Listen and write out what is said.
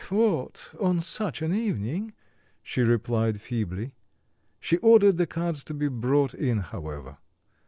"What! on such an evening?" she replied feebly. She ordered the cards to be brought in, however.